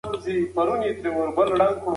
په کونړ کي سلفي فکره خلک ډير زيات دي